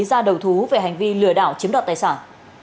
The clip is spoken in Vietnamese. ra đầu thú về hành vi lừa đảo chiếm đoạt tài sản